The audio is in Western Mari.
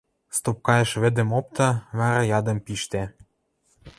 Стопкаэш вӹдӹм опта, вара ядым пиштӓ.